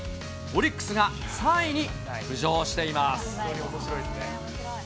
オリックスが３位に浮上しています。